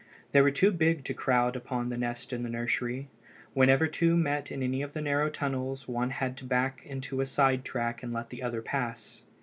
They were too big to crowd upon the nest in the nursery. Whenever two met in any of the narrow tunnels one had to back into a side track to let the other pass.